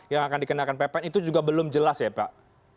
yang akan dikenakan ppn itu juga belum jelas ya pak